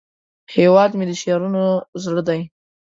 هیواد مې د شعرونو زړه دی